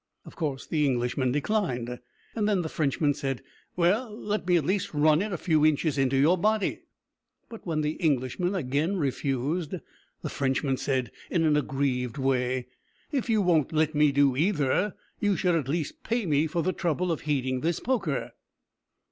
Of course the Englishman declined. Then the Frenchman said: "Well, let me at least run it a few inches into your body." But when the Englishman again refused, the Frenchman said, in an aggrieved way: "If you won't let me do either, you should at least pay for the trouble of heating this poker!"